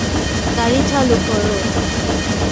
গাড়ী চালু করো।